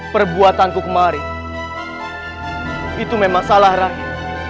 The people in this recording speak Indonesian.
perbuatanku kemarin itu memang salah rakyat